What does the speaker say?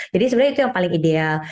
jadi sebenarnya itu yang paling ideal